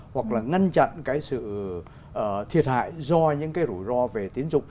hoặc là ngăn chặn cái sự thiệt hại do những cái rủi ro về tín dụng